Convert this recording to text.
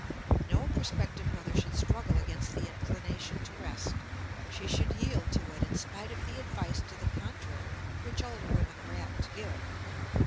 No prospective mother should struggle against the inclination to rest; she should yield to it in spite of the advice to the contrary which older women are apt to give.